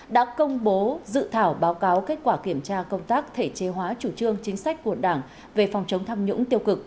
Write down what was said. đã công bố dự thảo báo cáo kết quả kiểm tra công tác thể chế hóa chủ trương chính sách của đảng về phòng chống tham nhũng tiêu cực